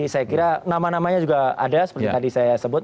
sama samanya juga ada seperti tadi saya sebut